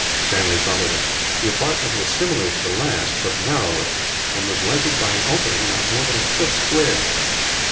Stanley followed him. The apartment was similar to the last, but narrower; and was lighted by an opening not more than a foot square.